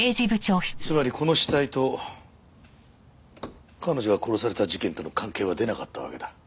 つまりこの死体と彼女が殺された事件との関係は出なかったわけだ。